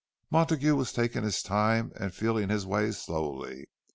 Montague was taking his time and feeling his way slowly.